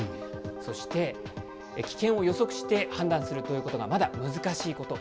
そして、危険を予測して判断するということがまだ難しいこと。